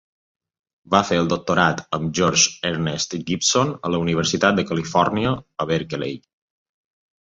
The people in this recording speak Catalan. Va fer el doctorat amb George Ernest Gibson a la Universitat de Califòrnia a Berkeley.